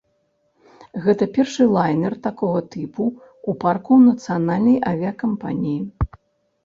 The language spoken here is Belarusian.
Гэта першы лайнер такога тыпу ў парку нацыянальнай авіякампаніі.